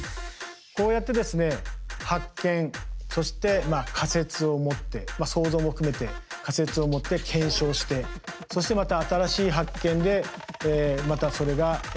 こうやってですね発見そして仮説を持って想像も含めて仮説を持って検証してそしてまた新しい発見でまたそれが謎が深まっていく。